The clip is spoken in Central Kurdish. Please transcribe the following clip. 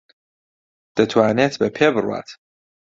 دەتوانێت بە پێ بڕوات.